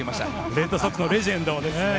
レッドソックスのレジェンドですね。